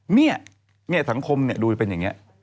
เนี่ยเนี่ยสังคมเนี่ยดูเป็นอย่างเงี้ย